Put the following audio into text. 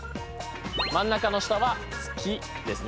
真ん中の下は「つき」ですね。